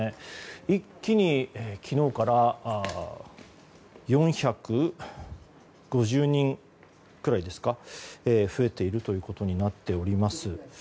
一気に昨日から４５０人くらいですか増えているということになります。